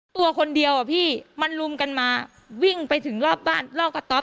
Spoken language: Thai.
ตัวคนเดียวอ่ะพี่มันลุมกันมาวิ่งไปถึงรอบบ้านรอบกระต๊อบ